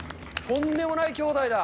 とんでもない兄弟だ。